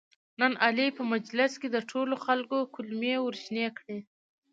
نن علي په مجلس کې د ټولو خلکو کولمې ورشنې کړلې.